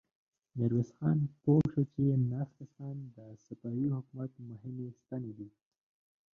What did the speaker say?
ميرويس خان پوه شو چې ناست کسان د صفوي حکومت مهمې ستنې دي.